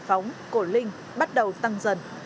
phóng cổ linh bắt đầu tăng dần